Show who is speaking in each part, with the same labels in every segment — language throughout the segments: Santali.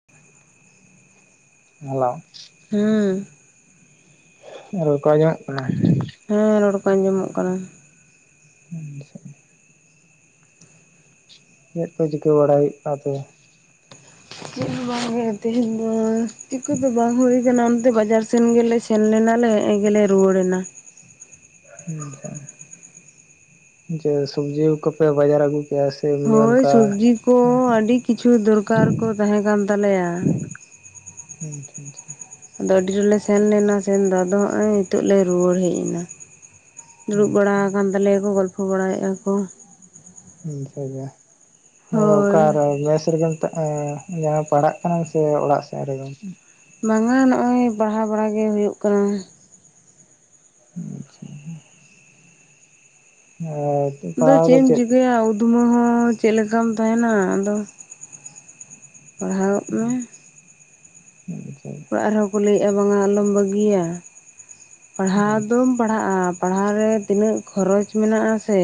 Speaker 1: [unintelligible]
Speaker 2: ᱦᱩᱸ
Speaker 1: ᱨᱚᱲ ᱠᱚ ᱟᱸᱡᱚᱢᱚᱜ ᱠᱟᱱᱟ
Speaker 2: ᱦᱮᱸ ᱨᱚᱲ ᱠᱚ ᱟᱸᱡᱚᱢᱚᱜ ᱠᱟᱱᱟ
Speaker 1: ᱦᱮᱸ ᱥᱮ ᱪᱮᱫ ᱠᱚ ᱪᱤᱠᱟᱹ ᱵᱟᱲᱟᱭ ᱦᱩᱭᱩᱜ ᱠᱟᱱᱛᱮ
Speaker 2: ᱪᱮᱫ ᱦᱚᱸ ᱵᱟᱝ ᱜᱮ ᱛᱮᱦᱮᱧ ᱫᱚ ᱪᱤᱠᱟᱹ ᱫᱚ ᱵᱟᱝ ᱦᱳᱭ ᱚᱱᱛᱮ ᱵᱟᱡᱟᱨ ᱥᱮᱱ ᱜᱮᱞᱮ ᱥᱮᱱ ᱞᱮᱱᱟᱞᱮ ᱱᱮᱜᱮ ᱜᱮᱞᱮ ᱨᱩᱣᱟᱹᱲ ᱮᱱᱟ᱾
Speaker 1: ᱟᱪᱪᱷᱟ᱾ ᱡᱮ ᱥᱚᱵᱽᱡᱤ ᱠᱚᱯᱮ ᱵᱟᱡᱟᱨ ᱟᱹᱜᱩ ᱠᱮᱫᱟ
Speaker 2: ᱦᱳᱭ ᱥᱚᱵᱽᱡᱤ ᱠᱚ ᱟᱹᱰᱤ ᱠᱤᱪᱷᱩ ᱫᱚᱨᱠᱟᱨ ᱠᱚ ᱛᱟᱦᱮᱸ ᱠᱟᱱ ᱛᱟᱞᱮᱭᱟ
Speaker 1: ᱟᱪᱪᱷᱟ ᱟᱪᱪᱷᱟ᱾
Speaker 2: ᱟᱫᱚ ᱟᱹᱰᱤ ᱨᱮᱞᱮ ᱥᱮᱱ ᱞᱮᱱᱟ ᱥᱮᱱ ᱫᱚ ᱟᱫᱚᱜ ᱱᱚᱜᱼᱚᱭ ᱱᱤᱛᱚᱜ ᱞᱮ ᱨᱩᱣᱟᱹᱲ ᱦᱮᱡ ᱮᱱᱟ᱾ ᱫᱩᱲᱩᱵ ᱵᱟᱲᱟ ᱟᱠᱟᱱ ᱛᱟᱞᱮᱭᱟᱠᱚ ᱜᱚᱞᱯᱷᱚ ᱵᱟᱲᱟᱭᱮᱜᱼᱟ ᱠᱚ᱾
Speaker 1: ᱚᱱᱠᱟ ᱜᱮ᱾
Speaker 2: ᱦᱳᱭ᱾
Speaker 1: ᱟᱫᱚ ᱢᱮᱥ ᱨᱮᱜᱮᱢ ᱡᱟᱦᱟᱸ ᱯᱟᱲᱟᱜ ᱠᱟᱱᱟ ᱥᱮ ᱚᱲᱟᱜ ᱥᱮᱫ ᱨᱮᱜᱮ
Speaker 2: ᱵᱟᱝᱼᱟ ᱱᱚᱜᱼᱚᱭ ᱯᱟᱲᱦᱟᱣ ᱵᱟᱲᱟ ᱜᱮ ᱦᱩᱭᱩᱜ ᱠᱟᱱᱟ᱾
Speaker 1: ᱟᱪᱪᱷᱟ᱾ [unintelligible]
Speaker 2: ᱟᱫᱚ ᱪᱮᱫ ᱮᱢ ᱪᱤᱠᱟᱹᱭᱟ ᱩᱫᱽᱢᱟᱹ ᱦᱚᱸ ᱪᱮᱫ ᱞᱮᱠᱟᱢ ᱛᱟᱦᱮᱱᱟ᱾ ᱟᱫᱚ ᱯᱟᱲᱦᱟᱣᱚᱜ ᱢᱮ᱾
Speaker 1: [unintelligible] [unintelligible] ᱼᱼ
Speaker 2: ᱚᱲᱟᱜ ᱨᱮᱦᱚᱸ ᱠᱚ ᱞᱟᱹᱭᱮᱫᱼᱟ ᱵᱟᱝᱟ ᱟᱞᱚᱢ ᱵᱟᱹᱜᱤᱭᱟ ᱯᱟᱲᱦᱟᱣ ᱫᱚᱼᱼ ᱯᱟᱲᱦᱟᱜᱼᱟ, ᱯᱟᱲᱦᱟᱣ ᱨᱮ ᱛᱤᱱᱟᱹᱜ ᱠᱷᱚᱨᱚᱪ ᱢᱮᱱᱟᱜᱼᱟ ᱥᱮ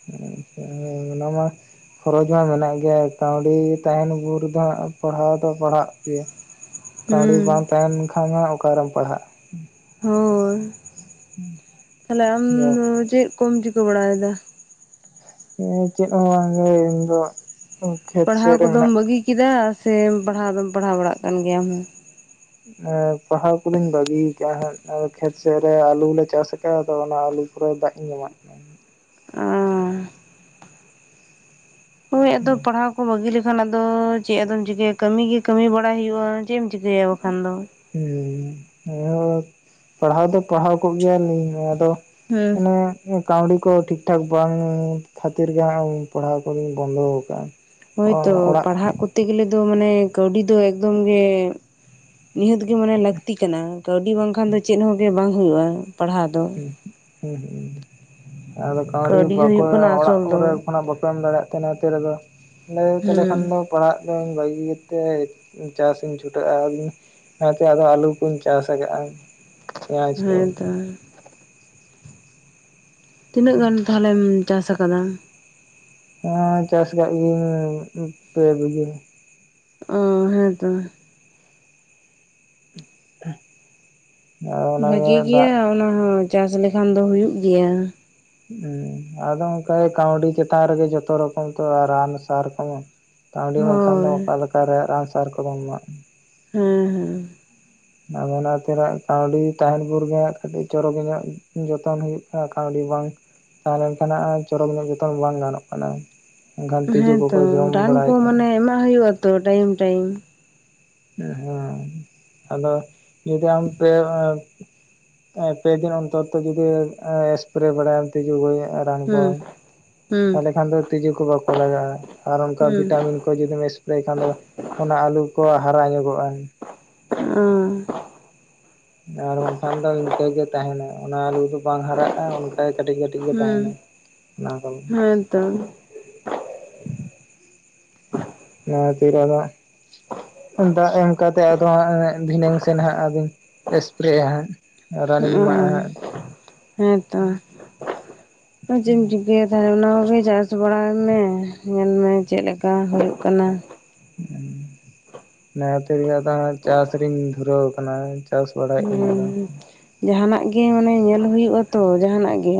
Speaker 1: [unintelligible] ᱚᱱᱟ ᱢᱟ ᱠᱷᱚᱨᱚᱪ ᱢᱟ ᱢᱮᱱᱟᱜ ᱜᱮᱭᱟ ᱠᱟᱹᱣᱰᱤ ᱛᱟᱦᱮᱱ ᱵᱷᱳᱨ ᱫᱚ ᱦᱟᱜ ᱯᱟᱲᱦᱟᱣ ᱫᱚ ᱯᱟᱲᱦᱟᱜ ᱜᱮᱭᱟ ᱠᱟᱹᱣᱰᱤ ᱵᱟᱝ
Speaker 2: ᱦᱩᱸ
Speaker 1: ᱛᱟᱦᱮᱱ ᱠᱷᱟᱱ ᱚᱠᱟᱨᱮᱢ ᱯᱟᱲᱦᱟᱜᱼᱟ᱾
Speaker 2: ᱦᱳᱭ᱾ ᱛᱟᱦᱚᱞᱮ ᱟᱢ ᱫᱚ ᱪᱮᱫ ᱠᱚ ᱪᱤᱠᱟᱹ ᱵᱟᱲᱟᱭᱮᱫᱟ?
Speaker 1: ᱪᱮᱫ ᱦᱚᱸ ᱵᱟᱝ ᱜᱮ ᱤᱧ ᱫᱚ ᱠᱷᱮᱛ
Speaker 2: ᱯᱟᱲᱦᱟᱣ
Speaker 1: ᱥᱮᱫ ᱨᱮ
Speaker 2: ᱠᱚᱫᱚ
Speaker 1: ᱢᱮᱱᱟᱜ
Speaker 2: ᱵᱟᱹᱜᱤ ᱠᱮᱫᱟ ᱥᱮ ᱯᱟᱲᱦᱟᱣ ᱫᱚ ᱯᱟᱲᱦᱟᱣ ᱵᱟᱲᱟᱜ ᱠᱟᱱ ᱜᱮᱭᱟ ᱟᱢ ᱦᱚᱸ
Speaker 1: ᱟ.... ᱯᱟᱦᱟᱣ ᱠᱚᱫᱚᱧ ᱵᱟᱹᱜᱤ ᱟᱠᱟᱜ ᱦᱟᱸᱜ, ᱠᱷᱮᱛ ᱥᱮᱫ ᱨᱮ ᱟᱞᱩ ᱞᱮ ᱪᱟᱥ ᱟᱠᱟᱫᱟ ᱟᱫᱚ ᱚᱱᱟ ᱟᱞᱩᱼᱼ ᱠᱚᱨᱮ ᱫᱟᱜ ᱤᱧ ᱮᱢᱟᱜ ᱠᱟᱱᱟ᱾
Speaker 2: ᱟᱺ.... ᱦᱚᱭ ᱟᱫᱚ ᱯᱟᱲᱦᱟᱣ ᱠᱚ ᱵᱟᱹᱜᱤ ᱞᱮᱠᱷᱟᱱ ᱟᱫᱚ ᱪᱮᱫ ᱟᱫᱚᱢ ᱪᱤᱠᱟᱹᱭᱟ ᱠᱟᱹᱢᱤ ᱜᱮ ᱠᱟᱹᱢᱤ ᱵᱟᱲᱟᱭ ᱦᱩᱭᱩᱜᱼᱟ᱾ ᱪᱮᱫ ᱮᱢ ᱪᱤᱠᱟᱹᱭᱟ ᱵᱟᱠᱷᱟᱱ ᱫᱚᱼᱼ
Speaker 1: ᱦᱩᱸ᱾ [unintelligible] ᱯᱟᱲᱦᱟᱣ ᱫᱚ ᱯᱟᱲᱦᱟᱣ ᱠᱚᱜ ᱜᱮᱭᱟᱞᱤᱧ ᱟᱫᱚᱼᱼ
Speaker 2: ᱦᱩᱸ
Speaker 1: ᱢᱟᱱᱮᱼᱼ ᱠᱟᱹᱣᱰᱤ ᱠᱚ ᱴᱷᱤᱠ ᱴᱷᱟᱠ ᱵᱟᱝ ᱠᱷᱟᱹᱛᱤᱨ ᱜᱮ ᱦᱟᱸᱜ ᱯᱟᱲᱦᱟᱣ ᱠᱚᱫᱚᱧ ᱵᱚᱱᱫᱚ ᱟᱠᱟᱜ-ᱟ᱾
Speaker 2: ᱦᱳᱭᱛᱚ ᱯᱟᱲᱦᱟᱜ ᱠᱚ [unintelligible] ᱼᱼ ᱛᱮ ᱜᱮᱞᱮ ᱫᱚ ᱢᱟᱱᱮ ᱠᱟᱹᱣᱰᱤ ᱫᱚ ᱮᱠᱫᱚᱢ ᱜᱮ ᱱᱤᱦᱟᱹᱛ ᱜᱮ ᱢᱟᱱᱮ ᱞᱟᱹᱠᱛᱤ ᱠᱟᱱᱟᱼᱼ ᱠᱟᱹᱣᱰᱤ ᱵᱟᱝᱠᱷᱟᱱ ᱫᱚ ᱪᱮᱫ ᱦᱚᱸᱜᱮ ᱵᱟᱝ ᱦᱩᱭᱩᱜᱼᱟ ᱯᱟᱲᱦᱟᱣ ᱫᱚᱼᱼ
Speaker 1: ᱦᱩᱸ ᱦᱩᱸ᱾ ᱟᱫᱚ ᱠᱟᱹᱣᱰᱤ
Speaker 2: ᱜᱮ
Speaker 1: ᱵᱟᱠᱚ
Speaker 2: ᱦᱩᱭᱩᱜ ᱠᱟᱱᱟ
Speaker 1: ᱚᱲᱟᱜ
Speaker 2: ᱟᱥᱚᱞ ᱫᱚ
Speaker 1: ᱠᱚᱨᱮ ᱠᱷᱚᱱᱟᱜ ᱵᱟᱠᱚ ᱮᱢ ᱫᱟᱲᱮᱭᱟᱜ ᱛᱮ ᱚᱱᱟ ᱠᱷᱟᱛᱤᱨ ᱟᱫᱚᱼᱼ [unintelligible] ᱛᱟᱦᱞᱮ ᱠᱷᱟᱱ
Speaker 2: ᱦᱮᱸ
Speaker 1: ᱫᱚ ᱯᱟᱲᱦᱟᱜ ᱫᱚᱧ ᱵᱟᱹᱜᱤ ᱠᱮᱫ ᱛᱮ ᱪᱟᱥ ᱤᱧ ᱪᱷᱩᱴᱟᱹᱜᱼ ᱟ.. ᱟᱨᱼᱼ ᱚᱱᱟᱛᱮ ᱟᱫᱚ ᱟᱞᱩ ᱠᱚᱧ ᱪᱟᱥ ᱟᱠᱟᱜᱼᱟ᱾ ᱯᱮᱸᱭᱟᱡᱽ ᱠᱚ
Speaker 2: ᱦᱮᱸᱛᱚ᱾ ᱛᱤᱱᱟᱹᱜ ᱜᱟᱱ ᱛᱟᱦᱚᱞᱮᱢ ᱪᱟᱥ ᱟᱠᱟᱫᱟ?
Speaker 1: ᱦᱮᱸ᱾ ᱪᱟᱥ ᱟᱠᱟᱫ ᱜᱮᱭᱤᱹᱧ ᱯᱮ ᱵᱤᱜᱷᱟᱹ᱾
Speaker 2: ᱚ ᱦᱮᱸ ᱛᱚ᱾
Speaker 1: [unintelligible] ᱼᱼ
Speaker 2: ᱵᱷᱟᱜᱤ ᱜᱮᱭᱟ ᱚᱱᱟᱦᱚᱸ ᱪᱟᱥ ᱞᱮᱠᱷᱟᱱ ᱫᱚ ᱦᱩᱭᱩᱜ ᱜᱤᱭᱟ᱾
Speaker 1: ᱦᱮ ᱟᱫᱚ ᱚᱱᱠᱟᱜ ᱠᱟᱹᱣᱰᱤ ᱪᱮᱛᱟᱱ ᱨᱮᱜᱮ ᱡᱚᱛᱚ ᱨᱚᱠᱚᱢ ᱛᱚ ᱨᱟᱱ ᱥᱟᱨ ᱠᱚ ᱠᱟᱣᱰᱤ ᱵᱟᱝᱠᱷᱟᱱ ᱫᱚ
Speaker 2: ᱦᱳᱭ
Speaker 1: ᱚᱠᱟ ᱞᱮᱠᱟᱨᱮ ᱨᱟᱱ ᱥᱟᱨ ᱠᱚ ᱫᱚᱢ ᱮᱢᱟᱜ-ᱟ
Speaker 2: ᱦᱮᱸ ᱦᱮᱸ
Speaker 1: ᱢᱟᱱᱮ ᱚᱱᱟ ᱛᱤᱱᱟ. ᱜ ᱠᱟᱹᱣᱰᱤ ᱛᱟᱦᱮᱱ ᱵᱷᱳᱨ ᱜᱮ ᱦᱟᱸᱜ ᱠᱟᱹᱴᱤᱡ ᱪᱚᱨᱚᱠᱮ ᱧᱚᱜ ᱡᱚᱛᱚᱱ ᱦᱩᱭᱩᱜ ᱠᱟᱹᱣᱰᱤ ᱵᱟᱝ ᱛᱟᱦᱮᱸ ᱞᱮᱱᱠᱷᱟᱱ ᱱᱟᱦᱟᱜ ᱪᱚᱨᱚᱠ ᱧᱚᱜ ᱡᱚᱛᱚᱱ ᱵᱟᱝ ᱜᱟᱱᱚᱜ ᱠᱟᱱᱟ ᱮᱱᱠᱷᱟᱱ ᱛᱤᱡᱩ ᱠᱚᱠᱚ
Speaker 2: ᱦᱮᱸᱛᱚ
Speaker 1: ᱡᱚᱢ
Speaker 2: ᱨᱟᱱ ᱠᱚ
Speaker 1: ᱵᱟᱲᱟᱭᱮᱫᱼᱟ
Speaker 2: ᱢᱟᱱᱮ ᱮᱢᱟᱜ ᱦᱩᱭᱩᱜ ᱟ ᱛᱚ ᱴᱟᱭᱤᱢ ᱴᱟᱭᱤᱢ
Speaker 1: ᱦᱮᱸ ᱟᱫᱚ ᱡᱩᱫᱤ ᱟᱢᱛᱮ ᱦᱚᱸ ᱯᱮᱫᱤᱱ ᱚᱱᱛᱚᱨ ᱛᱮ ᱡᱩᱫᱤ ᱮᱥᱯᱨᱮ ᱵᱟᱲᱟᱭᱟᱢ ᱛᱤᱡᱩ ᱜᱚᱡᱚᱜ.... ᱨᱟᱱ ᱠᱚ
Speaker 2: ᱦᱩᱸ ᱦᱩᱸ
Speaker 1: ᱛᱟᱦᱚᱞᱮ ᱠᱷᱟᱱ ᱫᱚ ᱛᱤᱡᱩ ᱠᱚ ᱵᱟᱠᱚ ᱞᱟᱜᱟᱜᱼᱟ ᱟᱨ ᱚᱱᱠᱟ
Speaker 2: ᱦᱩᱸ
Speaker 1: ᱵᱷᱤᱴᱟᱢᱤᱱ ᱠᱚ ᱠᱚ ᱡᱩᱫᱤᱢ ᱮᱥᱯᱨᱮ ᱠᱷᱟᱱ ᱫᱚ ᱚᱱᱟ ᱟᱹᱞᱩ ᱠᱚ ᱦᱟᱨᱟ ᱧᱚᱜᱚᱜᱼᱟ
Speaker 2: ᱦᱚᱸ
Speaker 1: ᱟᱨ ᱵᱟᱝᱠᱷᱟᱱ ᱫᱚ ᱤᱱᱠᱟᱹᱜᱮ ᱛᱟᱦᱮᱱᱟ ᱚᱱᱟ ᱟ. ᱞᱩ ᱫᱚ ᱵᱟᱝ ᱦᱟᱨᱟᱜᱼᱟ [unintelligible] ᱼᱼ ᱷᱟᱡ ᱠᱟᱹᱴᱤᱡ ᱠᱟᱹᱴᱤᱡ ᱜᱮ ᱛᱟᱦᱮᱱᱟ [unintelligible] ᱼᱼ
Speaker 2: [unintelligible] ᱼᱼ
Speaker 1: [inaudible] ᱱᱚᱶᱟ ᱛᱤᱱ ᱨᱮ ᱱᱟᱦᱟᱜ ᱫᱟᱜ ᱮᱢ ᱠᱟᱛᱮᱜ ᱟᱫᱚ ᱦᱟᱸᱜ ᱫᱷᱤᱱᱟᱹᱝ ᱥᱮᱱ ᱦᱟᱸᱜ ᱟᱫᱚᱧ ᱮᱥᱯᱨᱮᱭᱟ ᱦᱟᱸᱜ ᱨᱟᱱᱤᱧ ᱮᱢᱟᱜᱼᱟ ᱦᱟᱸᱜ
Speaker 2: ᱦᱮᱸ ᱛᱚ ᱪᱮᱫ-ᱮᱢ ᱪᱤᱠᱟᱹᱭᱟ ᱛᱟᱦᱟᱞᱮ ᱚᱱᱟᱠᱚᱜᱮ ᱪᱟᱥ [unintelligible] ᱵᱟᱲᱟᱭ ᱢᱮ ᱧᱮᱞ ᱢᱮ ᱪᱮᱫ ᱞᱮᱠᱟ ᱦᱩᱭᱩᱜ ᱠᱟᱱᱟ
Speaker 1: ᱚᱱᱟ ᱠᱷᱟᱛᱤᱨ ᱜᱮ ᱟᱫᱚ ᱪᱟᱥ ᱨᱤᱧ ᱫᱷᱩᱨᱟᱹᱣ ᱟᱠᱟᱱᱟ ᱪᱟᱥ ᱵᱟᱲᱟᱭᱮᱫ ᱟᱹᱧ
Speaker 2: ᱦᱮᱸ
Speaker 1: ᱟᱫᱚ
Speaker 2: ᱡᱟᱸᱦᱟᱱᱟᱜ ᱜᱮ ᱢᱟᱱᱮ ᱧᱮᱞ ᱦᱩᱭᱩᱜ-ᱟ ᱛᱚ ᱡᱟᱸᱦᱟᱱᱟᱜ ᱜᱮ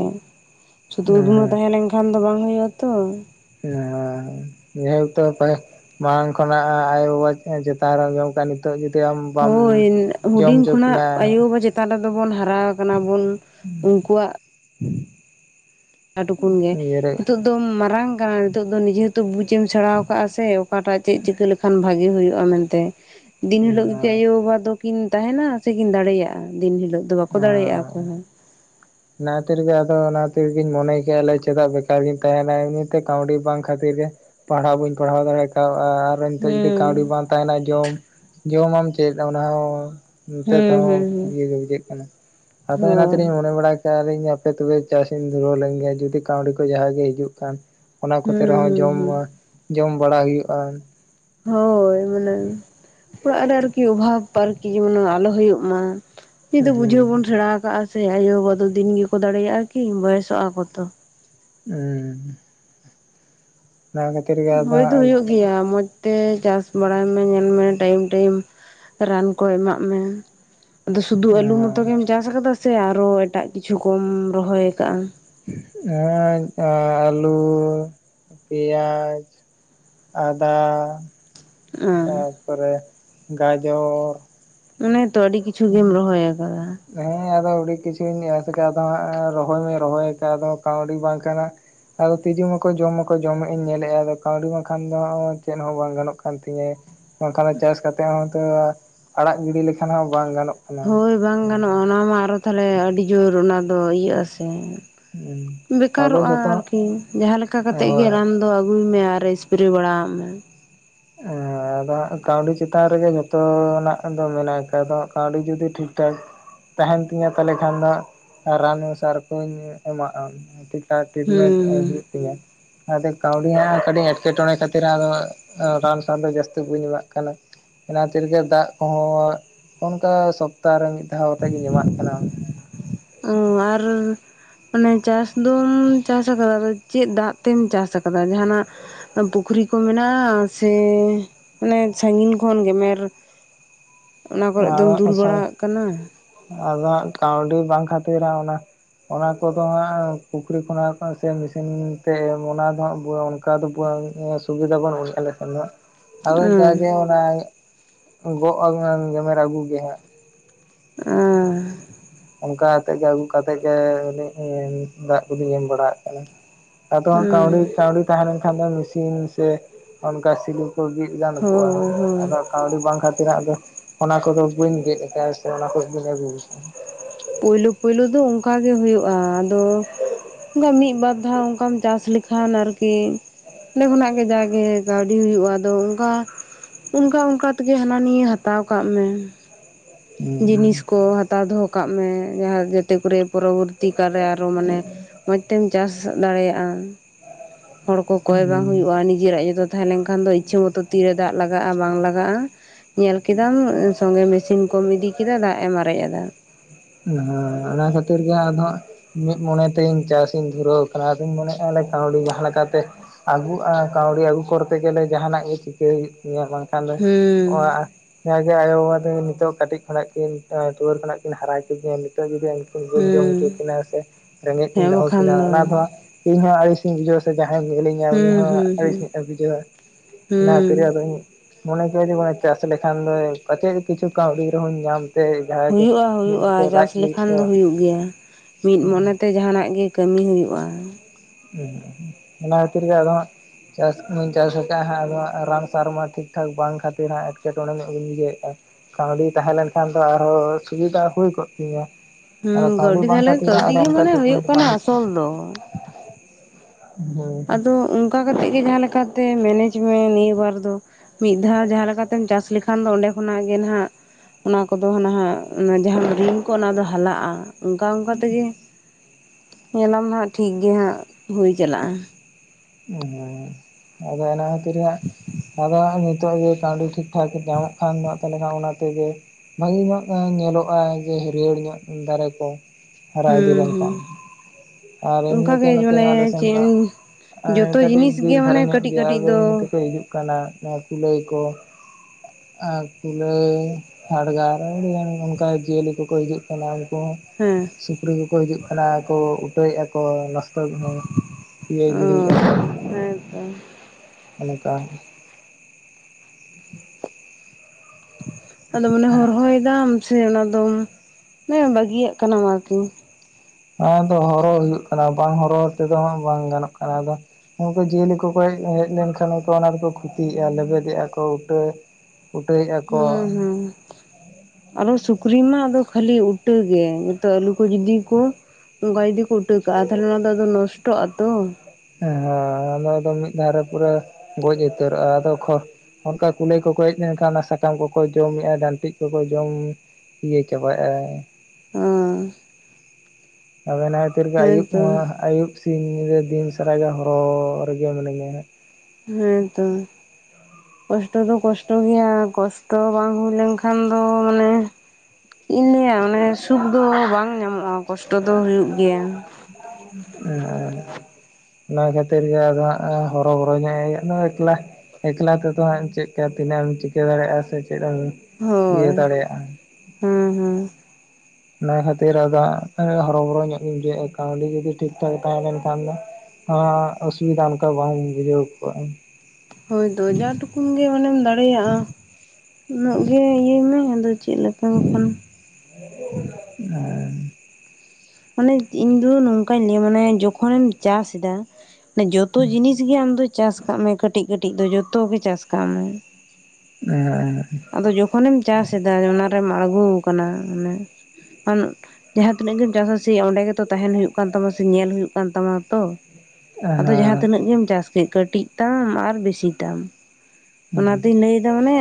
Speaker 2: ᱥᱩᱫᱩ
Speaker 1: ᱦᱮᱸ
Speaker 2: ᱩᱫᱷᱤᱢᱟᱹ ᱛᱟᱦᱮᱸ ᱞᱮᱱ ᱠᱷᱟᱱ ᱫᱚ ᱵᱟᱝ ᱦᱩᱭᱩᱜ-ᱟ ᱛᱚ
Speaker 1: ᱦᱮᱸ ᱦᱮᱸ ᱡᱮᱦᱮᱛᱩ [unintelligible] ᱢᱟᱲᱟᱝ ᱠᱷᱚᱱᱟᱜ ᱟᱭᱳ ᱵᱟᱵᱟ ᱪᱮᱛᱟᱱ ᱨᱮ ᱡᱚᱢ ᱟᱠᱟᱫ.... ᱱᱤᱛᱚᱜ ᱡᱩᱫᱤ ᱟᱢ ᱵᱟᱢ
Speaker 2: ᱦᱳᱭ
Speaker 1: ᱡᱚᱢ
Speaker 2: ᱦᱩᱰᱤᱧ
Speaker 1: ᱚᱪᱚ
Speaker 2: ᱠᱷᱚᱱᱟᱜ
Speaker 1: ᱠᱤᱱᱟ
Speaker 2: ᱟᱭᱳᱼᱵᱟᱵᱟ ᱪᱮᱛᱟᱱ ᱨᱮᱫᱚ ᱵᱚᱱ ᱦᱟᱨᱟ ᱟᱠᱟᱱᱟ ᱵᱚᱱ ᱩᱱᱠᱩᱣᱟᱜ
Speaker 1: [unintelligible]
Speaker 2: ᱟ ᱴᱩᱠᱩᱱ ᱜᱮ
Speaker 1: ᱤᱭᱟᱹᱨᱮ
Speaker 2: ᱱᱤᱛᱳ.... ᱫᱚᱢ ᱢᱟᱨᱟᱝ ᱟᱠᱟᱱᱟ ᱱᱤᱛᱚᱜ ᱫᱚ ᱱᱤᱡᱮᱦᱚᱛᱚ ᱵᱩᱡᱽ ᱮᱢ ᱥᱮᱬᱟ ᱟᱠᱟᱫᱼᱟ ᱥᱮ ᱚᱠᱟᱴᱟᱜ ᱪᱮᱫ ᱪᱤᱠᱟᱹ ᱞᱮ ᱠᱷᱟᱱ ᱵᱷᱟᱜᱤ ᱦᱩᱭᱩᱜᱼᱟ ᱢᱮᱱᱛᱮ ᱫᱤᱱ
Speaker 1: ᱦᱮᱸ
Speaker 2: ᱦᱤᱞᱳᱜ ᱜᱮ ᱟᱭᱳᱼᱵᱟ ᱫᱚᱠᱤᱱ ᱛᱟᱦᱮᱱᱟ ᱥᱮᱠᱤᱱ ᱫᱟᱲᱮᱭᱟᱜᱼᱟ ᱫᱤᱱ ᱦᱤᱞᱳᱜ ᱫᱚ ᱵᱟᱠᱚ
Speaker 1: ᱦᱮᱸ
Speaker 2: ᱫᱟᱲᱮᱭᱟᱜᱼᱟ ᱚᱠᱚᱭ ᱦᱚᱸ
Speaker 1: ᱚᱱᱟᱠᱷᱟᱛᱤᱨᱜᱮ ᱟᱫᱚ ᱚᱱᱟᱠᱷᱟᱛᱤᱨᱜᱤᱧ ᱢᱚᱱᱮ ᱠᱮᱫᱮᱜ ᱞᱮ ᱪᱮᱫᱟᱜ ᱵᱮᱠᱟᱨ ᱜᱤᱧ ᱛᱟᱦᱮᱱᱟ ᱮᱢᱱᱤᱛᱮ ᱠᱟᱹᱣᱰᱤ ᱵᱟᱝ ᱠᱷᱟᱹᱛᱤᱨ ᱜᱮ ᱯᱟᱲᱦᱟᱣ ᱵᱟᱹᱧ ᱯᱟᱲᱦᱟᱣ ᱫᱟᱲᱮ ᱠᱟᱣᱜᱼᱟ ᱱᱤᱛᱚᱜ ᱡᱩᱫᱤ ᱠᱟᱹᱣᱰᱤ
Speaker 2: ᱦᱩᱸ
Speaker 1: ᱵᱟᱝ ᱛᱟᱦᱮᱱᱟ ᱡᱚᱢ ᱡᱚᱢᱟᱢ ᱪᱮᱫ ᱚᱱᱟ ᱦᱚᱸ ᱚᱱᱚᱴᱛᱮ
Speaker 2: ᱦᱩᱸ
Speaker 1: ᱛᱮᱦᱚᱸ
Speaker 2: ᱦᱩᱸ ᱦᱩᱸ
Speaker 1: ᱤᱭᱟᱹᱟᱹᱜᱮ ᱵᱩᱡᱷᱟᱹᱜ ᱠᱟᱱᱟ ᱟᱫᱚ
Speaker 2: ᱦᱳᱭ
Speaker 1: ᱚᱱᱟᱠᱷᱟᱛᱤᱨᱤᱧ ᱢᱚᱱ ᱵᱟᱲᱟᱭ ᱠᱮᱫᱟᱞᱤᱧ ᱦᱟᱯᱮ ᱛᱚᱵᱮ ᱪᱟᱥ ᱤᱧ ᱫᱷᱩᱨᱟᱹᱣ ᱞᱮᱱ ᱜᱮᱭᱟ ᱡᱩᱫᱤ ᱠᱟᱹᱣᱰᱤ ᱠᱚ ᱡᱟᱦᱟᱸ ᱜᱮ ᱦᱤᱡᱩᱜ ᱠᱟᱱ ᱚᱱᱟ ᱠᱚᱛᱮ
Speaker 2: ᱦᱩᱸ
Speaker 1: ᱨᱮᱦᱚᱸ
Speaker 2: ᱦᱩᱸ
Speaker 1: ᱡᱚᱢ
Speaker 2: ᱦᱩᱸ
Speaker 1: ᱡᱚᱢ ᱵᱟᱲᱟ ᱦᱩᱭᱩᱜᱼᱟ
Speaker 2: ᱦᱳᱭ ᱢᱟᱱᱮ ᱚᱲᱟᱜ ᱨᱮ ᱟᱨᱠᱤ ᱚᱵᱷᱟᱵ ᱟᱨᱠᱤ ᱡᱮᱢᱚᱱ ᱟᱞᱚ ᱦᱩᱭᱩᱜ ᱢᱟ ᱱᱤᱛ ᱫᱚ ᱵᱩᱡᱷᱟᱹᱣ ᱵᱚᱱ ᱥᱮᱬᱟ ᱟᱠᱫᱼᱟ ᱥᱮ ᱟᱭᱳᱼᱵᱟᱵᱟ ᱫᱚ ᱫᱤᱱ ᱜᱮᱠᱚ ᱫᱟᱲᱮᱭᱟᱜᱼᱟ ᱠᱤ ᱵᱚᱭᱮᱥᱚᱜᱼᱟ ᱠᱚ ᱛᱚ
Speaker 1: ᱦᱩᱸ [unintelligible]
Speaker 2: ᱦᱳᱭ ᱫᱚ
Speaker 1: ᱦᱟᱸᱜ
Speaker 2: ᱦᱩᱭᱩᱜᱭ ᱜᱮᱭᱟ ᱢᱚᱸᱡᱽᱛᱮ ᱪᱟᱥ ᱵᱟᱲᱟᱭ ᱢᱮ ᱧᱮᱞ ᱢᱮ ᱴᱟᱭᱤᱢ ᱴᱟᱭᱤᱢ ᱨᱟᱱ ᱠᱚ ᱮᱢᱟᱜ ᱢᱮ ᱟᱫᱚ ᱥᱩᱫᱩ ᱟᱹᱞᱩ ᱢᱚᱛᱚ ᱜᱮᱢ ᱪᱟᱥ ᱟᱠᱟᱫᱟ ᱥᱮ ᱟᱨᱚᱦᱚᱸ ᱮᱴᱟᱜ ᱠᱤᱪᱷᱩ ᱠᱚᱢ ᱨᱚᱦᱚᱭ ᱟᱠᱟᱫᱟᱼᱟ
Speaker 1: ᱦᱳᱭ ᱟᱹᱞᱩ ᱯᱮᱸᱭᱟᱡ ᱟᱫᱟ ᱛᱟᱨᱯᱚᱨᱮ ᱜᱟᱡᱚᱨ
Speaker 2: ᱚᱱᱮ ᱛᱚ ᱟᱹᱰᱤ ᱠᱤᱪᱷᱩ ᱜᱮᱢ ᱨᱚᱦᱚᱭ ᱟᱠᱟᱫᱟ
Speaker 1: ᱦᱮᱸ ᱟᱫᱚ ᱟᱹᱰᱤ ᱠᱤᱪᱷᱩᱧ ᱪᱟᱥ ᱠᱟᱜ ᱟᱫᱚ ᱦᱟᱸᱜ ᱨᱚᱦᱚᱭ ᱢᱟᱧ ᱨᱚᱦᱚᱭ ᱟᱠᱟᱫ ᱟᱫᱚ ᱠᱟᱹᱣᱰᱤ ᱵᱟᱝ ᱠᱟᱱᱟ ᱟᱫᱚ ᱛᱤᱡᱩ ᱢᱟᱠᱚ ᱡᱚᱢ ᱢᱟᱠᱚ ᱡᱚᱢᱮᱫ-ᱟ ᱤᱧ ᱧᱮᱞᱮᱫᱼᱟ ᱟᱫᱚ ᱠᱟᱹᱣᱰᱤ ᱵᱟᱠᱷᱟᱱ ᱫᱚ ᱪᱮᱫ ᱦᱚᱸ ᱵᱟᱝ ᱜᱟᱱᱚᱜ ᱠᱟᱱ ᱛᱤᱧᱟᱹ ᱵᱟᱝᱠᱷᱟᱱ ᱫᱚ ᱪᱟᱥ ᱠᱟᱛᱮᱜ ᱦᱚᱸᱛᱚ ᱟᱲᱟᱜ ᱜᱤᱲᱤ ᱞᱮᱠᱷᱟᱱ ᱦᱚᱸ ᱵᱟᱝ ᱜᱟᱱᱚᱜ ᱠᱟᱱᱟ
Speaker 2: ᱦᱳᱭ ᱵᱟᱝ ᱜᱟᱱᱚᱜᱼᱟ ᱚᱱᱟ ᱢᱟ ᱟᱨᱚ ᱛᱟᱦᱚᱞᱮ ᱟᱹᱰᱤ ᱡᱳᱨ ᱚᱱᱟ ᱫᱚ ᱤᱭᱟᱹᱜ ᱟᱥᱮ
Speaker 1: ᱟᱫᱚ
Speaker 2: ᱵᱮᱠᱟᱨᱚᱜᱼᱟ
Speaker 1: ᱡᱚᱛᱚ
Speaker 2: ᱟᱨᱠᱤ ᱡᱟᱦᱟᱸᱞᱮᱠᱟ ᱠᱟᱛᱮ ᱜᱮ
Speaker 1: ᱦᱳᱭ
Speaker 2: ᱨᱟᱱ ᱫᱚ ᱟᱜᱩᱭ ᱢᱮ ᱟᱨ ᱦᱤᱨᱤ ᱵᱟᱲᱟᱣᱟᱜ ᱢᱮ ᱾
Speaker 1: ᱦᱮ ᱟᱫᱚᱜ ᱦᱟᱜ ᱠᱟᱣᱰᱤ ᱪᱮᱛᱟᱱ ᱨᱮᱜᱮ ᱡᱷᱚᱛᱚᱱᱟᱜ ᱫᱚ ᱢᱮᱱᱟᱜ ᱟᱠᱟᱫ ᱟᱫᱚ ᱠᱟᱣᱰᱤ ᱡᱩᱫᱤ ᱴᱷᱤᱠ ᱴᱷᱟᱠ ᱛᱟᱦᱮᱱ ᱛᱤᱧᱟ ᱛᱟᱦᱞᱮ ᱠᱷᱟᱱ ᱫᱚ ᱨᱟᱱ ᱢᱮᱥᱟ ᱥᱟᱨ ᱠᱩᱧ ᱮᱢᱟᱜᱼᱟ ᱴᱷᱤᱠ ᱮᱟᱜ ᱴᱨᱤᱴᱢᱮᱱᱴ ᱮᱢ
Speaker 2: ᱦᱩᱸ
Speaker 1: ᱦᱩᱭᱩᱜ ᱛᱤᱧᱟ ᱟᱫᱷᱮᱠ ᱠᱟᱹᱣᱰᱤ ᱠᱟᱹᱴᱤᱡ ᱮᱸᱴᱠᱮᱴᱚᱬᱮ ᱠᱷᱟᱹᱛᱤᱨ ᱟᱫᱚ ᱦᱟᱸᱜ ᱨᱟᱱ ᱥᱟᱱ ᱫᱚ ᱡᱟᱹᱥᱛᱤ ᱵᱟᱹᱧ ᱮᱢᱟᱜ ᱠᱟᱱᱟ ᱚᱱᱟᱛᱤᱨ ᱜᱮ ᱫᱟᱜ ᱠᱚᱦᱚᱸ ᱚᱱᱠᱟ ᱥᱚᱯᱛᱟᱦᱮ ᱨᱮ ᱢᱤᱫ ᱫᱷᱟᱣ ᱠᱟᱛᱮ ᱜᱤᱧ ᱮᱢᱟᱜ ᱠᱟᱱᱟ
Speaker 2: ᱚ ᱟᱨ ᱚᱱᱮ ᱪᱟᱥᱫᱢ ᱪᱟᱥ ᱟᱠᱟᱫᱟ ᱪᱮᱫ ᱫᱟᱜ ᱛᱮᱢ ᱪᱟᱥ ᱟᱠᱟᱫᱟ ᱡᱟᱦᱟᱱᱟᱜ ᱯᱩᱠᱷᱨᱤ ᱠᱚ ᱢᱮᱱᱟᱜᱼᱟ ᱥᱮ ᱚᱱᱮ ᱥᱟᱺᱜᱤᱧ ᱠᱷᱚᱱ ᱜᱮᱢᱮᱨ
Speaker 1: [unintelligible]
Speaker 2: ᱚᱱᱟ ᱠᱚᱨᱮᱫ ᱫᱚᱢ
Speaker 1: ᱟᱨ
Speaker 2: ᱫᱩᱞ ᱵᱟᱲᱟᱜ ᱠᱟᱱᱟ
Speaker 1: ᱟᱫᱚ ᱦᱟᱜ ᱠᱟᱹᱣᱰᱤ ᱵᱟᱝ ᱠᱷᱟᱹᱛᱤᱨ ᱦᱟᱜ ᱚᱱᱟ ᱚᱱᱟ ᱠᱚᱫᱚ ᱦᱟᱸᱜ ᱯᱩᱠᱷᱨᱤ ᱠᱷᱚᱱᱟᱜ ᱥᱮ ᱢᱮᱥᱤᱱ ᱛᱮ ᱮᱢ ᱚᱱᱟ ᱫᱚ ᱦᱟᱸᱜ ᱚᱱᱠᱟ ᱫᱚ ᱵᱟᱝ ᱥᱩᱵᱤᱫᱟ ᱵᱟᱱᱩᱜ ᱟᱱᱤᱡ ᱟᱞᱮ ᱥᱮᱱ ᱫᱚ ᱦᱟᱸᱜ᱾ ᱟᱫᱚ
Speaker 2: ᱦᱮᱸ
Speaker 1: ᱡᱟᱜᱮ ᱚᱱᱟ ᱜᱚᱜ ᱟᱜᱩ ᱟᱨ ᱜᱮᱢᱮᱨ ᱟᱹᱜᱩ ᱜᱮ ᱦᱟᱸᱜ
Speaker 2: ᱟᱸ
Speaker 1: ᱚᱱᱠᱟᱛᱮᱫ ᱜᱮ ᱟᱹᱜᱩ ᱠᱟᱛᱮᱫ ᱜᱮ ᱫᱟᱜ ᱠᱚᱫᱚᱧ ᱮᱢ ᱵᱟᱲᱟᱜ ᱠᱟᱱᱟ ᱟᱫᱚ ᱦᱚᱸ ᱠᱟᱹᱣᱰᱤ
Speaker 2: ᱦᱮᱸ
Speaker 1: ᱠᱟᱹᱣᱰᱤ ᱛᱟᱦᱮᱸ ᱞᱮᱱ ᱠᱷᱟᱱ ᱫᱚ ᱢᱮᱥᱤᱱ ᱥᱮ ᱚᱱᱠᱟ ᱥᱤᱞᱤᱯ ᱜᱩᱭ ᱜᱟᱱ ᱠᱚᱜᱟ
Speaker 2: ᱦᱳᱭ ᱦᱳᱭ
Speaker 1: ᱟᱫᱚ ᱠᱟᱹᱣᱰᱤ ᱵᱟᱝ ᱠᱷᱟᱹᱛᱤᱨᱱᱟᱜ ᱫᱚ ᱚᱱᱟ ᱠᱚᱫᱚ ᱵᱟᱹᱧ ᱜᱮᱫ ᱟᱠᱟ ᱥᱮ ᱚᱱᱟ ᱠᱚ ᱵᱟᱹᱧ ᱟᱹᱜᱩ ᱟᱠᱟ
Speaker 2: ᱯᱳᱭᱞᱳ ᱯᱳᱭᱞᱳ ᱫᱚ ᱚᱱᱠᱟᱜᱮ ᱦᱳᱭᱳᱜᱼᱟ ᱟᱫᱚ ᱚᱱᱠᱟ ᱢᱤᱫ ᱵᱟᱨ ᱫᱷᱟᱣ ᱚᱱᱠᱟᱢ ᱪᱟᱥ ᱞᱮᱠᱷᱟᱱ ᱟᱨᱠᱤ ᱚᱰᱮ ᱠᱷᱚᱱᱟᱜ ᱜᱮ ᱡᱟᱜᱮ ᱠᱟᱣᱰᱤ ᱦᱩᱭᱩᱜᱼᱟ ᱟᱫᱚ ᱚᱱᱠᱟ ᱚᱱᱠᱟ ᱚᱱᱠᱟ ᱛᱮᱜᱮ ᱦᱟᱱᱟ ᱱᱤᱭᱟᱹ ᱦᱟᱛᱟᱣ ᱠᱟᱜ ᱢᱮ ᱡᱤᱱᱤᱥ
Speaker 1: ᱦᱩᱸ
Speaker 2: ᱠᱚ ᱦᱟᱛᱟᱣ ᱫᱚᱦᱚ ᱠᱟᱜ ᱢᱮ ᱡᱟᱦᱟᱸ ᱡᱟᱛᱮ ᱠᱚᱨᱮ ᱯᱚᱨᱚᱵᱚᱨᱛᱤ ᱠᱟᱞᱨᱮ ᱟᱨᱚ ᱢᱟᱱᱮ ᱢᱚᱸᱡᱽ ᱛᱮᱢ ᱪᱟᱥ ᱫᱟᱲᱮᱭᱟᱜᱼᱟ ᱦᱚᱲ ᱠᱚ ᱠᱚᱭ ᱵᱟᱝ
Speaker 1: ᱦᱩᱸ
Speaker 2: ᱦᱩᱭᱩᱜᱼᱟ ᱱᱤᱡᱮᱨᱟᱜ ᱡᱚᱛᱚ ᱛᱟᱦᱮᱸ ᱞᱮᱱᱠᱷᱟᱱ ᱫᱚ ᱤᱪᱪᱷᱟᱹ ᱢᱚᱛᱚ ᱛᱤᱨᱮ ᱫᱟᱜ ᱞᱟᱜᱟᱜᱼᱟ᱾ ᱟ ᱵᱟᱝ ᱞᱟᱜᱟᱜᱼᱟ ᱧᱮᱞ ᱠᱮᱫᱟᱢ ᱥᱚᱸᱜᱮ ᱢᱮᱥᱤᱱ ᱠᱚᱢ ᱤᱫᱤ ᱠᱮᱫᱟ ᱫᱟᱜ ᱮᱢ ᱟᱨᱮᱡ ᱟᱫᱟ
Speaker 1: ᱦᱚᱸ ᱚᱱᱟ ᱠᱷᱟᱹᱛᱤᱨ ᱜᱮ ᱟᱫᱚ ᱦᱟᱸᱜ ᱢᱤᱫ ᱢᱚᱱᱮᱛᱮᱧ ᱪᱟᱥ ᱤᱧ ᱫᱷᱩᱨᱟᱹᱣ ᱟᱠᱟᱱᱟ ᱟᱫᱚᱧ ᱢᱚᱱᱮᱫᱟ ᱠᱟᱣᱰᱤ ᱡᱟᱦᱟᱸ ᱞᱮᱠᱟᱛᱮ ᱟᱹᱜᱩᱜᱼᱟ ᱠᱟᱹᱣᱰᱤ ᱟᱹᱜᱩ ᱠᱚᱨᱛᱮ ᱜᱮᱞᱮ ᱡᱟᱦᱟᱱᱟᱜ ᱜᱮ ᱪᱤᱠᱟᱹᱭ ᱦᱩᱭᱩᱜ ᱛᱤᱧᱟ ᱢᱟ ᱠᱷᱟᱱ ᱫᱚ
Speaker 2: ᱦᱩᱸ
Speaker 1: ᱡᱟᱜᱮ ᱟᱭᱳ ᱵᱟᱵᱟ ᱫᱚ ᱱᱤᱛᱚᱜ ᱠᱟᱹᱴᱤᱡ ᱠᱷᱚᱱᱟᱜ ᱠᱤᱱ ᱴᱩᱣᱟᱹᱨ ᱠᱷᱚᱱᱟᱜ ᱠᱤᱱ ᱦᱟᱨᱟ ᱠᱮᱫ ᱱᱤᱛᱚᱜ ᱡᱩᱫᱤ ᱚᱱᱠᱤᱱ ᱵᱟᱹᱧ ᱡᱚᱢ
Speaker 2: ᱦᱩᱸ
Speaker 1: ᱦᱚᱪᱚ ᱠᱤᱱᱟ ᱥᱮ ᱨᱮᱸᱜᱮᱡ
Speaker 2: ᱦᱮᱸ
Speaker 1: ᱛᱤᱧ ᱫᱚᱦᱚ
Speaker 2: ᱵᱟᱠᱷᱟᱱ
Speaker 1: ᱠᱤᱱᱟ ᱚᱱᱟ ᱫᱚ ᱦᱟᱸᱜ᱾ ᱤᱧ ᱦᱚᱸ ᱟᱲᱤᱥ ᱤᱧ ᱵᱩᱡᱷᱟᱹᱣᱟ ᱥᱮ ᱡᱟᱦᱟᱸᱭᱮ ᱞᱮᱞᱤᱧ ᱩᱱᱤ ᱦᱚᱸ
Speaker 2: ᱦᱩᱸ ᱦᱩᱸ
Speaker 1: ᱟᱹᱲᱤᱥ
Speaker 2: ᱦᱩᱸ
Speaker 1: ᱚᱜ ᱮ ᱵᱤᱡᱟᱹᱶᱟ ᱚᱱᱟ ᱛᱤᱨᱜᱮ
Speaker 2: ᱦᱩᱸ
Speaker 1: ᱟᱫᱚ ᱤᱧᱤᱜ ᱢᱚᱱᱮ ᱠᱚᱼᱟ ᱡᱮ ᱪᱟᱥ ᱞᱮᱠᱷᱟᱱ ᱫᱚ ᱯᱟᱪᱮᱫ ᱠᱤᱪᱷᱩ ᱠᱟᱹᱣᱰᱤ ᱨᱮᱦᱚᱧ ᱧᱟᱢ ᱛᱮ ᱡᱟᱦᱟᱸᱭ ᱜᱮ
Speaker 2: ᱦᱩᱭᱩᱜᱼᱟ ᱦᱩᱭᱩᱜᱼᱟ
Speaker 1: ᱞᱟᱡ
Speaker 2: ᱪᱟᱥ
Speaker 1: ᱞᱟᱹᱜᱤᱫ
Speaker 2: ᱞᱮᱠᱷᱟᱱ
Speaker 1: ᱛᱮ
Speaker 2: ᱫᱚ ᱦᱩᱭᱩᱜ ᱜᱮᱭᱟ ᱢᱤᱫ ᱢᱚᱱᱮᱛᱮ ᱡᱟᱦᱱᱟᱜ ᱜᱮ ᱠᱢᱤ ᱦᱩᱭᱩᱜᱼᱟ᱾
Speaker 1: ᱦᱮᱸ ᱚᱱᱟ ᱠᱷᱟᱹᱛᱤᱨ ᱜᱮ ᱟᱫᱚ ᱦᱟᱸᱜ ᱪᱟᱥ ᱢᱟᱧ ᱪᱟᱥ ᱟᱠᱟᱜᱼᱟ ᱦᱟᱜ ᱟᱫᱚ ᱦᱟᱸᱜ ᱨᱟᱱ ᱥᱟᱨᱢᱟ ᱴᱷᱤᱠ ᱴᱷᱟᱠ ᱵᱟᱝ ᱠᱷᱟᱹᱛᱤᱨ ᱦᱟᱸᱜ ᱮᱴᱠᱮᱴᱚᱬᱮ ᱧᱚᱜ ᱤᱧ ᱵᱩᱡᱷᱟᱹᱣᱮᱫᱼᱟ ᱠᱟᱹᱣᱰᱤ ᱛᱟᱦᱮᱸ ᱞᱮᱱᱠᱷᱟᱱ ᱫᱚ ᱟᱨᱦᱚᱸ ᱥᱩᱵᱤᱫᱷᱟ ᱦᱩᱭ ᱠᱚᱜ ᱛᱤᱧᱟ᱾ ᱟᱫᱚ
Speaker 2: ᱦᱩᱸ
Speaker 1: ᱠᱟᱣᱰᱤ
Speaker 2: ᱠᱟᱹᱣᱰᱤ
Speaker 1: ᱵᱟᱝ
Speaker 2: ᱛᱟᱦᱚᱞᱮ
Speaker 1: ᱠᱷᱟᱛᱤᱨ
Speaker 2: ᱠᱟᱹᱣᱰᱤ ᱜᱮ ᱢᱟᱱᱮ
Speaker 1: ᱦᱟᱸᱜ
Speaker 2: ᱦᱩᱭᱩᱜ
Speaker 1: ᱴᱤᱴᱢᱮᱱᱴ
Speaker 2: ᱠᱟᱱᱟ
Speaker 1: [unintelligible]
Speaker 2: ᱟᱥᱚᱞ ᱫᱚ
Speaker 1: ᱦᱩᱸ
Speaker 2: ᱟᱫᱚ ᱚᱱᱠᱟ ᱠᱟᱛᱮᱜ ᱜᱮ ᱡᱟᱦᱟᱸ ᱞᱮᱠᱟᱛᱮ ᱢᱮᱱᱮᱡ ᱢᱮ ᱱᱤᱭᱟᱹ ᱵᱟᱨ ᱫᱚ ᱢᱤᱫ ᱫᱷᱟᱣ ᱡᱟᱦᱟᱸ ᱞᱮᱠᱟᱛᱮᱢ ᱪᱟᱥ ᱞᱮᱠᱷᱟᱱ ᱫᱚ ᱚᱸᱰᱮ ᱠᱷᱚᱱᱟᱜ ᱜᱮ ᱱᱟᱜ ᱚᱱᱟ ᱠᱚᱫᱚ ᱦᱟᱱᱟᱜ ᱚᱱᱟ ᱡᱟᱦᱟᱸ ᱨᱤᱝ ᱠᱚ ᱚᱱᱟ ᱫᱚ ᱦᱟᱞᱟᱜᱼᱟ ᱚᱱᱠᱟ ᱚᱱᱠᱟ ᱛᱮᱜᱮ ᱧᱮᱞᱟᱢ ᱱᱟᱦᱜ ᱴᱷᱤᱠ ᱜᱮ ᱦᱟᱸᱜ ᱦᱩᱭ ᱪᱟᱞᱟᱜᱼᱟ᱾
Speaker 1: [unintelligible] ᱟᱫᱚ ᱚᱱᱟ ᱠᱷᱟᱛᱤᱨ ᱜᱮᱦᱟᱸᱜ ᱟᱫᱚ ᱦᱟᱸᱜ ᱱᱤᱛᱚᱜ ᱜᱮ ᱠᱟᱣᱰᱤ ᱴᱷᱤᱠ ᱴᱷᱟ ᱧᱟᱢᱚᱜ ᱠᱷᱟᱱ ᱫᱚ᱾ ᱛᱟᱦᱚᱞᱮ ᱠᱷᱟᱱ ᱚᱱᱟᱛᱮᱜᱮ ᱵᱷᱟᱜᱮ ᱧᱚᱜ ᱧᱮᱞᱚᱜᱼᱟ ᱡᱮ ᱦᱟᱹᱨᱭᱟᱹᱲ ᱧᱚᱜ ᱫᱟᱨᱮ ᱠᱚ᱾ ᱦᱟᱨᱟᱭ ᱤᱫᱤ
Speaker 2: ᱦᱩᱸ ᱦᱩᱸ
Speaker 1: ᱞᱮᱱᱠᱷᱟᱱ ᱟᱨ ᱮᱢᱱᱛᱮ
Speaker 2: ᱚᱱᱠᱟᱜᱮ
Speaker 1: ᱱᱚᱛᱮ ᱟᱞᱮ
Speaker 2: ᱢᱟᱱᱮ
Speaker 1: ᱥᱮᱱ ᱫᱚ᱾
Speaker 2: ᱪᱮᱫ ᱡᱚᱛᱚ
Speaker 1: ᱠᱟᱹᱴᱤᱡ
Speaker 2: ᱡᱤᱱᱤᱥ ᱜᱮ
Speaker 1: ᱵᱤᱨ
Speaker 2: ᱢᱟᱱᱮ
Speaker 1: ᱫᱷᱟᱨᱮ ᱧᱚᱜ
Speaker 2: ᱠᱟᱹᱴᱤᱡ
Speaker 1: ᱜᱮᱭᱟ,
Speaker 2: ᱠᱟᱹᱴᱤᱡ
Speaker 1: ᱟᱫᱚ
Speaker 2: ᱫᱚ
Speaker 1: ᱮᱢ ᱛᱮᱠᱚ ᱦᱤᱡᱩᱜ ᱠᱟᱱᱟ ᱠᱩᱞᱟᱹᱭ ᱠᱚ᱾ ᱟᱨ ᱠᱩᱞᱟᱹᱭ! ᱦᱟᱷᱟᱰᱜᱟᱨ ᱟᱹᱰᱤᱜ ᱚᱱᱠᱟ ᱡᱤᱭᱟᱹᱞᱤ ᱠᱚᱠᱚ ᱦᱤᱡᱩᱜ ᱠᱟᱱᱟ ᱩᱱᱠᱩ᱾
Speaker 2: ᱦᱮᱸ
Speaker 1: ᱥᱩᱠᱨᱤ ᱠᱚᱠᱚ ᱦᱤᱡᱩᱜ ᱠᱟᱱᱟ ᱠᱚ ᱩᱴᱟᱹᱭᱮᱫᱼᱟ ᱠᱚ, ᱱᱚᱥᱴᱚᱸ ᱤᱭᱟᱹᱭ ᱜᱤᱲᱤ
Speaker 2: ᱚ ᱦᱮᱸᱛᱚ᱾
Speaker 1: ᱚᱱᱠᱟ᱾ [unintelligible]
Speaker 2: ᱟᱫᱚ ᱢᱟᱱᱮ ᱦᱚᱨᱦᱚᱭ ᱫᱟᱢ ᱥᱮ ᱚᱱᱟ ᱫᱚᱢ ᱵᱟᱹᱜᱤᱭᱟᱜ ᱠᱟᱱᱟᱢ ᱟᱨᱠᱤ
Speaker 1: ᱟᱫᱚ ᱦᱚᱨᱚ ᱦᱩᱭᱩᱜ ᱠᱟᱱᱟ ᱵᱟᱝ ᱦᱚᱨᱚᱜ ᱛᱮᱫᱚ ᱦᱟᱸᱜ ᱵᱟᱝ ᱜᱟᱱᱚᱜ ᱠᱟᱱᱟ ᱟᱫᱚ ᱩᱱᱠᱩ ᱡᱤᱭᱟᱹᱞᱤ ᱠᱚᱠᱚ ᱦᱮᱡ ᱦᱮᱡ ᱞᱮᱱᱠᱷᱟᱱ ᱜᱮᱠᱚ ᱚᱱᱟ ᱠᱚᱫᱚ ᱠᱷᱚᱛᱤᱭᱮᱫᱼᱟ ᱞᱮᱵᱮᱫᱮᱜᱼᱟ ᱠᱚ ᱩᱴᱟᱹ ᱩᱴᱟᱹᱭᱮᱫ ᱟᱠᱚ
Speaker 2: ᱟᱨ ᱟᱨᱚ ᱥᱩᱠᱨᱤ ᱢᱟ ᱟᱫᱚ ᱠᱷᱟᱹᱞᱤ ᱩᱴᱟᱹᱜᱮ, ᱡᱚᱛᱚ ᱟᱞᱩᱠᱩ ᱡᱩᱚᱫᱤ ᱠᱚ ᱚᱱᱠᱟ ᱡᱚᱫᱤ! ᱩᱴᱟᱹ ᱠᱟᱜᱼᱟ ᱛᱟᱦᱚᱞᱮ ᱚᱱᱟ ᱫᱚ ᱟᱫᱚ ᱱᱚᱥᱴᱚᱜᱼᱟ ᱛᱚ᱾
Speaker 1: ᱦᱮᱸ ᱦᱸ ᱟᱫᱚᱫᱚ ᱢᱤᱫ ᱫᱷᱟᱣ ᱨᱮ ᱯᱩᱨᱟᱹ ᱜᱚᱡ ᱩᱛᱟᱹᱨᱚᱜᱼᱟ ᱟᱫᱚ᱾ ᱚᱱᱠᱟ ᱠᱩᱞᱟᱹᱭ ᱠᱚᱠᱚ ᱦᱮᱡ ᱞᱮᱱᱠᱷᱟᱱ, ᱥᱟᱠᱟᱢ ᱠᱚᱠᱚ ᱡᱚᱢᱮᱫᱼᱟ, ᱰᱷᱟᱹᱱᱴᱜ ᱠᱚᱠᱚ ᱡᱚᱢ ᱾ ᱤᱭᱟᱹ ᱪᱟᱵᱟ ᱮᱭᱟᱭ᱾
Speaker 2: ᱩᱸᱻ
Speaker 1: ᱟᱫ‌ ᱚᱱᱟ ᱠᱷᱟᱹᱛᱤᱨ ᱜᱮ ᱟᱹᱭᱩᱵ ᱢᱟ
Speaker 2: ᱦᱮᱸᱛᱚ
Speaker 1: ᱟᱹᱭᱩᱵ ᱥᱤ ᱨᱮ ᱫᱤᱱ ᱥᱟᱨᱟᱭ ᱦᱚᱨᱚ ᱨᱮᱜᱮ ᱢᱤᱱᱟᱹᱧᱟ ᱦᱟᱸᱜ᱾
Speaker 2: ᱦᱮᱸᱛᱚ ᱠᱚᱥᱴᱚ ᱫᱚ ᱠᱚᱥᱴᱚ ᱜᱮᱭᱟ ᱠᱚᱥᱴᱚ ᱵᱟᱝ ᱦᱩᱭ ᱞᱮᱱᱠᱷᱟᱱ ᱫᱚ ᱢᱟᱱᱮ! ᱪᱮᱫ ᱤᱧ ᱞᱟᱹᱭᱟ ᱢᱟᱱᱮ ᱥᱩᱠ ᱫᱚ ᱵᱟᱝ ᱧᱟᱢᱚᱜᱼᱟ, ᱠᱚᱥᱴᱚ ᱫᱚ ᱦᱩᱭᱩᱜᱭ ᱜᱮᱭᱟ᱾
Speaker 1: ᱦ [unintelligible] ᱚᱱᱟ ᱠᱷᱟᱹ ᱛᱤᱨ ᱜᱮ ᱟᱫᱚ ᱦᱚᱨ ᱵᱚᱨᱚᱧᱠᱞᱟ᱾ ᱮᱠᱞᱟ ᱛᱮᱫᱚ ᱦᱟᱸᱜ ᱪᱮᱫᱠᱟ ᱛᱤᱱᱟᱹᱜ ᱮᱢ ᱪᱤᱠᱟᱹ ᱫᱟᱲᱮᱭᱟᱜᱼᱟ, ᱥᱮ ᱪᱮᱫ ᱮᱢ ᱤᱭᱟᱹ
Speaker 2: ᱦᱳᱭ
Speaker 1: ᱫᱟᱲᱮᱭᱟᱜᱼᱟ᱾
Speaker 2: ᱦᱩᱸ ᱦᱩᱸ
Speaker 1: ᱚᱱᱟ ᱠᱷᱟᱹᱛᱤᱨ ᱟᱫᱚ ᱦᱚᱨᱚᱵᱚᱨᱚ ᱧᱚᱜ ᱜᱮᱧ ᱵᱩᱡᱷᱟᱹᱣᱟ ᱠᱟᱹᱣᱰᱤ ᱡᱚᱫᱤ ᱴᱷᱤᱠ ᱴᱷᱟᱠ ᱛᱟᱦᱮᱸ ᱞᱮᱱᱠᱷᱟᱱ ᱫᱚ᱾ ᱦᱚᱸ ᱚᱥᱩᱵᱤᱫᱷᱟ ᱚᱱᱠᱟ ᱵᱟᱝᱧ ᱵᱩᱡᱷᱟᱹᱣ ᱠᱚᱣᱟ᱾
Speaker 2: ᱦᱳᱭ ᱫᱚ ᱡᱟ ᱴᱩᱠᱩᱢ ᱜᱮᱢ ᱚᱱᱮᱢ ᱫᱟᱲᱮᱭᱟᱜᱼᱟ ᱩᱱᱟᱹᱜ ᱜᱮ ᱤᱭᱟᱹᱭ ᱢᱮ ᱟᱫᱚ, ᱪᱮᱫ ᱞᱮᱠᱟ ᱵᱟᱠᱷᱟᱱ,
Speaker 1: ᱚᱸᱻ
Speaker 2: ᱢᱟᱱᱮ ᱤᱧ ᱫᱚ ᱱᱚᱝᱠᱟᱧ ᱞᱟᱹᱭᱟ ᱢᱟᱱᱮ ᱡᱚᱠᱷᱚᱱᱮᱢ ᱪᱟᱥ ᱫᱟ ᱡᱚᱛᱚ ᱡᱤᱱᱤᱥ ᱜᱮ ᱟᱢ ᱫᱚ ᱪᱟᱥ ᱠᱟᱜ ᱢᱮ ᱠᱟᱹᱴᱤᱡ ᱠᱟᱹᱴᱤᱡ ᱫᱚ ᱡᱚᱛᱚᱜᱮ ᱪᱟᱥ ᱠᱟᱜ ᱢᱮ ᱾
Speaker 1: [unintelligible]
Speaker 2: ᱟᱫᱚ ᱡᱚᱠᱷᱚᱱᱮᱢ ᱪᱟᱥ ᱮᱫᱟ ᱚᱱᱟᱨᱮᱢ ᱟᱬᱜᱩ ᱟᱠᱟᱱᱟ ᱚᱱᱮ, ᱡᱟᱦᱟᱸ ᱛᱤᱱᱟᱹᱜ ᱜᱮᱢ ᱪᱟᱥ ᱟ ᱥᱮ ᱚᱸᱰᱮ ᱜᱮᱛᱚ ᱛᱟᱦᱮᱱ ᱦᱩᱭᱩᱜ ᱠᱟᱱ ᱛᱟᱢᱟ ᱥᱮ ᱧᱮᱞ ᱦᱩᱭᱩᱜ ᱠᱟᱱ ᱛᱟᱢᱟ ᱛᱚ ᱟᱫᱚ ᱡᱟᱦᱟᱸ ᱛᱤᱱᱟᱹᱜ ᱜᱮᱢ ᱪᱟᱥ᱾ ᱪᱮᱫ ᱠᱟᱹᱴᱤᱡ ᱛᱟᱢ ᱟᱨ ᱵᱮᱥᱤ ᱛᱟᱢ
Speaker 1: ᱦᱮᱸ
Speaker 2: ᱚᱱᱟᱛᱮᱧ ᱞᱟᱹᱭ ᱮᱫᱟ ᱢᱟᱱᱮ,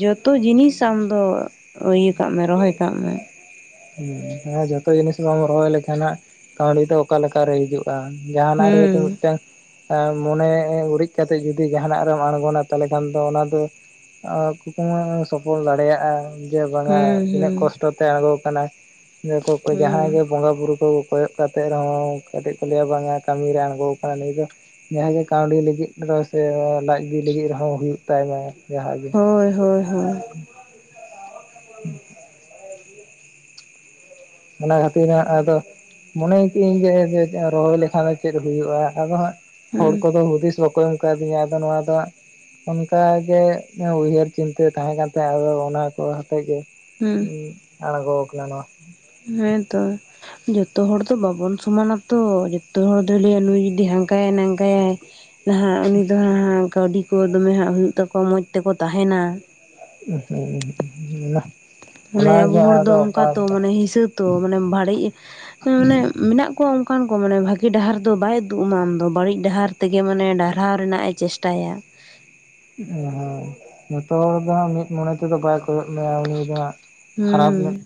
Speaker 2: ᱡᱚᱛᱚ ᱡᱤᱱᱤᱥ ᱟᱢ ᱫᱚ ᱤᱭᱟᱹ ᱠᱟᱜ ᱢᱮ ᱨᱚᱦᱚᱭ ᱠᱟᱜ ᱢᱮ᱾
Speaker 1: ᱦᱩ ᱦᱮᱸ ᱡᱚᱛᱚ ᱡᱤᱱᱤᱥ ᱵᱟᱢ ᱨᱚᱦᱚᱭ ᱞᱮᱠᱷᱟᱱ ᱠᱟᱹᱣᱰᱤ ᱫᱚ ᱚᱠᱟ ᱞᱮᱠᱟᱨᱮ ᱦᱤᱡᱩᱜ ᱵᱟᱝ ᱡᱟᱦᱟᱱᱟᱜ ᱨᱮᱜᱮ
Speaker 2: ᱦᱩᱸ
Speaker 1: ᱛᱚ ᱢᱤᱫᱴᱮᱱ, ᱢᱚᱱᱮ ᱩᱨᱤᱡ ᱠᱟᱛᱮᱜ ᱡᱩᱚᱫᱤ ᱡᱟᱦᱟᱱᱟᱜ ᱨᱮᱢ ᱟᱬᱜᱚᱱᱟ ᱛᱟᱦᱚᱞᱮ ᱠᱷᱟᱱ ᱫᱚ ᱚᱱᱟ ᱫᱚ, ᱠᱩᱠᱢᱩ ᱥᱚᱯᱷᱚᱞ ᱫᱟᱲᱮᱭᱟᱜᱼᱟ ᱡᱮ ᱵᱟᱝᱟ,
Speaker 2: ᱦᱩᱸ ᱦᱩᱸ
Speaker 1: ᱚᱠᱛᱚ ᱛᱮ ᱟᱬᱜᱚ ᱟᱠᱟᱱᱟᱭ ᱞᱟᱹᱭ ᱟᱠᱚ ᱡᱟᱦᱟᱸᱭ
Speaker 2: ᱦᱩᱸ
Speaker 1: ᱜᱮ ᱵᱚᱸᱜᱟ ᱵᱩᱨᱩ ᱠᱚ, ᱠᱚᱭᱚᱜ ᱠᱟᱛᱮᱫ ᱨᱮᱦᱚᱸ ᱠᱟᱹᱴᱤᱡ ᱠᱚ ᱞᱟᱹᱭᱟ ᱵᱟᱝᱟ ᱠᱟᱹᱢᱤᱨᱮ ᱟᱬᱜᱚ ᱠᱟᱱᱟ ᱱᱩᱭ ᱫᱚ, ᱡᱟᱸᱦᱟ ᱜᱮ ᱠᱟᱹᱣᱰᱤ ᱞᱟᱹᱜᱤᱫ ᱨᱮᱦᱚᱸ ᱥᱮ ᱞᱟᱡ ᱵᱤ ᱞᱟᱹᱜᱤᱫ ᱨᱮᱦᱚᱸ ᱦᱩᱭᱩᱜ ᱛᱟᱭᱢᱟ ᱡᱟᱸᱦᱟ ᱜᱮ,
Speaker 2: ᱦᱳᱭ, ᱦᱳᱭ, ᱦᱳᱭ,
Speaker 1: [inaudible] ᱚᱱᱟ ᱦᱟᱹᱛᱤᱧᱟᱜ ᱟᱫᱚ, ᱢᱚᱱᱮᱭ ᱠᱤᱜᱼᱟᱹᱧ ᱡᱮ ᱡᱮ ᱨᱚᱦᱚᱭ ᱞᱮᱠᱷᱟᱱ ᱪᱮᱫ ᱦᱩᱭᱩᱜᱼᱟ, ᱟᱫᱚ ᱦᱟᱸᱜ
Speaker 2: ᱦᱩᱸ
Speaker 1: ᱦᱚᱲ ᱠᱚᱫᱚ ᱦᱩᱫᱤᱥ ᱵᱟᱠᱚ ᱮᱢ ᱠᱟᱣᱫᱤᱧᱟ ᱟᱫᱚ ᱱᱚᱣᱟ ᱫᱚ, ᱚᱱᱠᱟᱜᱮ ᱩᱭᱦᱟᱹᱨ ᱪᱤᱱᱛᱟᱹ ᱛᱟᱦᱮᱸ ᱠᱟᱱ ᱛᱟᱦᱮᱸ ᱟᱫᱚ ᱚᱱᱟ ᱠᱚ ᱦᱟᱛᱮᱜ ᱜᱮ,
Speaker 2: ᱦᱩᱸ
Speaker 1: ᱟᱲᱜᱳ ᱟᱠᱟᱱ ᱱᱚᱭᱟ,
Speaker 2: ᱦᱮᱸᱛᱚ, ᱡᱚᱛᱚ ᱦᱚᱲ ᱫᱚ ᱵᱟᱵᱚᱱ ᱥᱚᱢᱟᱱᱟᱛᱚ ᱡᱚᱛᱚ ᱦᱚᱲ ᱫᱚ ᱞᱟᱹᱭᱟᱭ ᱱᱩᱭ ᱡᱩᱫᱤ ᱦᱟᱝᱠᱟᱭᱟᱭ ᱱᱟᱝᱠᱟᱭᱟᱭ, ᱱᱟᱦᱟᱜ ᱩᱱᱤ ᱫᱚ ᱦᱟᱦᱟᱝ ᱠᱟᱹᱣᱰᱤ ᱠᱚ ᱫᱚᱢᱮ ᱦᱟᱸᱜ ᱦᱩᱭᱩᱜ ᱛᱟᱠᱚ ᱢᱚᱡᱽ ᱛᱮᱠᱚ ᱛᱟᱦᱮᱱᱟ ᱾
Speaker 1: [unintelligible]
Speaker 2: ᱢᱟᱱᱮ ᱟᱵᱚ
Speaker 1: ᱚᱱᱟᱜᱮ
Speaker 2: ᱦᱚᱲ ᱫᱚ
Speaker 1: ᱟᱫᱚ
Speaker 2: ᱚᱱᱠᱟ
Speaker 1: ᱚᱠᱟ
Speaker 2: ᱛᱚ ᱢᱟᱱᱮ ᱦᱤᱥᱟᱹ ᱛᱚ ᱢᱟᱱᱮ ᱵᱟᱹᱲᱤ ᱢᱟᱱᱮ ᱢᱮᱱᱟᱜ ᱠᱚᱣᱟ ᱚᱱᱠᱟᱱ ᱠᱚ ᱢᱟᱱᱮ ᱵᱷᱟᱹᱜᱤ ᱰᱟᱦᱟᱨ ᱫᱚ ᱵᱟᱭ ᱩᱫᱩᱜ ᱟᱢᱟ ᱟᱢᱫᱚ ᱵᱟᱹᱲᱤᱡ ᱰᱟᱦᱟᱨ, ᱛᱮᱜᱮ ᱢᱟᱱᱮ ᱰᱟᱨᱦᱟᱣ ᱨᱮᱱᱟᱜ ᱮ ᱪᱮᱥᱴᱟᱭᱟ ᱾
Speaker 1: ᱦᱮᱸ ᱡᱚᱛᱚ ᱦᱚᱲ ᱫᱚ ᱢᱤᱫ ᱢᱚᱱᱮ ᱛᱮᱫᱚ ᱵᱟᱭ ᱠᱚᱭᱚᱜ ᱢᱮᱭᱟ ᱩᱱᱤ ᱫᱚ ᱦᱟᱸᱜ,
Speaker 2: ᱦᱩᱸ
Speaker 1: ᱠᱷᱟᱨᱟᱯ ᱢᱮᱫ
Speaker 2: ᱾